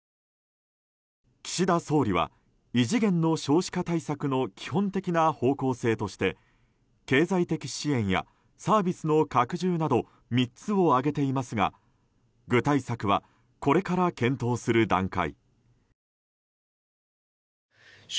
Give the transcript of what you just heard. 岸田総理は異次元の少子化対策の基本的な方向性として経済的支援やサービスの拡充など３つを挙げていますが具体策はこれから検討する段階。